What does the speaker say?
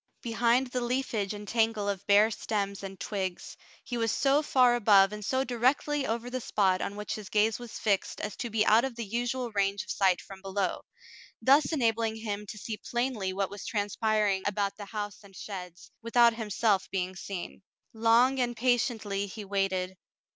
Behind the leafage and tangle of bare stems and twigs, he was so far above and so directly over the spot on which his gaze was fixed as to be out of the usual range of sight from below, thus enabling him to see plainly what was 38 The Mountain Girl transpiring about the house and sheds, without himself being seen. Long and patiently he waited.